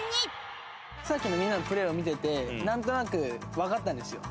さっきのみんなのプレーを見ててなんとなくわかったんですよ。